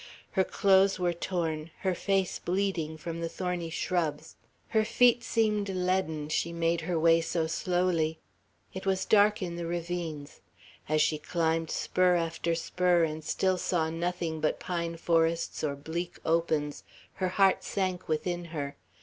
Her clothes were torn, her face bleeding, from the thorny shrubs; her feet seemed leaden, she made her way so slowly. It was dark in the ravines; as she climbed spur after spur, and still saw nothing but pine forests or bleak opens, her heart sank within her.